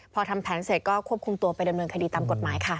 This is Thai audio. พอทำแผนเสร็จก็ควบคุมตัวไปดำเนินคดีตามกฎหมายค่ะ